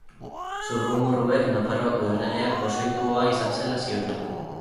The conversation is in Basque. Zurrumurruek Nafarroako erregeak pozoitua izan zela zioten.